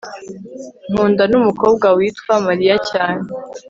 nkundana numukobwa witwa mariya cyane